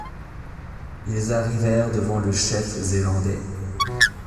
Ils arrivèrent devant le chef zélandais.